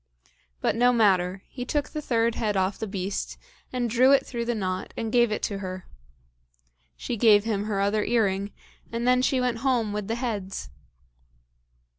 But no matter, he took the third head off the beast, and drew it through the knot, and gave it to her. She gave him her other earring, and then she went home with the heads.